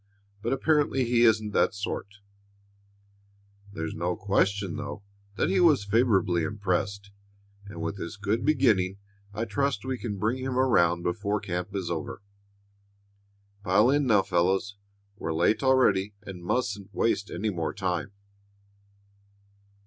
But apparently he isn't that sort. There's no question, though, that he was favorably impressed, and with this good beginning I trust we can bring him around before camp is over. Pile in now, fellows. We're late already and mustn't waste any more time."